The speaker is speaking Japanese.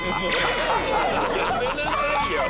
やめなさいよ！